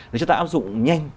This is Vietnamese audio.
nếu chúng ta áp dụng nhanh